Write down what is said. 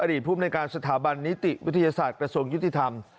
ภูมิในการสถาบันนิติวิทยาศาสตร์กระทรวงยุติธรรม